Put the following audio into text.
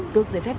tước giới phép